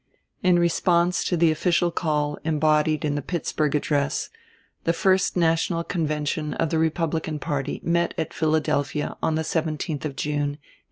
In response to the official call embodied in the Pittsburgh address, the first National Convention of the Republican party met at Philadelphia on the 17th of June, 1856.